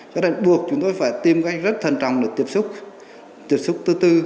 cho nên buộc chúng tôi phải tìm cách rất thân trọng để tiếp xúc tiếp xúc tư tư